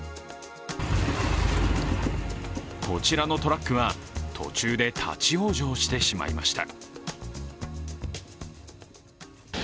こちらのトラックは途中で立往生してしまいました。